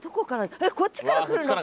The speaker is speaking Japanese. えっこっちから来るのか！